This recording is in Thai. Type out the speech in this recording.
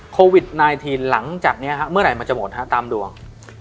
โควิด๑๙หลังจากนี้เมื่อไหร่มันจะหมดฮะตามดวง